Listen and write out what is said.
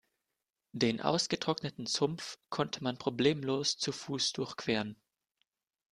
Den ausgetrockneten Sumpf konnte man problemlos zu Fuß durchqueren.